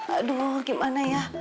aduh gimana ya